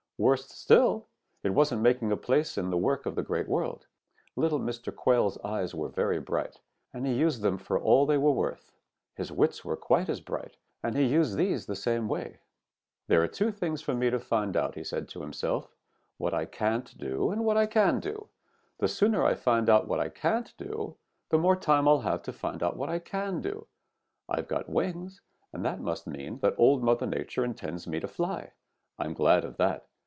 Worse still, it wasn't making a place in the work of the Great World. Little Mr. Quail's eyes were very bright, and he used them for all they were worth. His wits were quite as bright, and he used these the same way. "'There are two things for me to find out,' said he to himself, 'what I can't do and what I can do. The sooner I find out what I can't do, the more time I'll have to find out what I can do. I've got wings, and that must mean that Old Mother Nature intends me to fly. I'm glad of that.